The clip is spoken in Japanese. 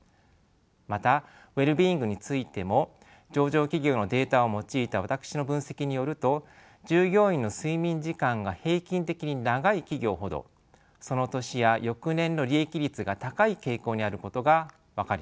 またウェルビーイングについても上場企業のデータを用いた私の分析によると従業員の睡眠時間が平均的に長い企業ほどその年や翌年の利益率が高い傾向にあることが分かりました。